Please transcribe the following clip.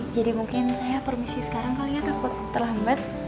jadi mungkin saya permisi sekarang kali ya takut terlambat